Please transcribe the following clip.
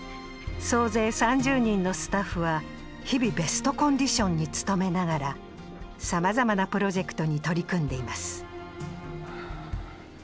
総勢３０人のスタッフは日々ベストコンディションに努めながらさまざまなプロジェクトに取り組んでいます